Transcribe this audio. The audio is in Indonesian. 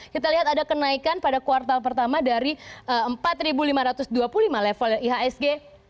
kita lihat ada kenaikan pada kuartal pertama dari empat lima ratus dua puluh lima level ihsg